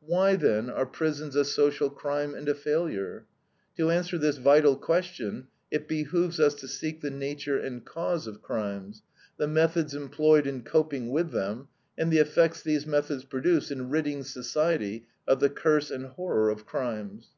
Why, then, are prisons a social crime and a failure? To answer this vital question it behooves us to seek the nature and cause of crimes, the methods employed in coping with them, and the effects these methods produce in ridding society of the curse and horror of crimes.